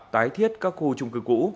tái thiết các khu chung cư cũ